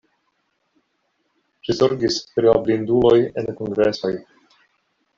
Ŝi zorgis pri la blinduloj en kongresoj.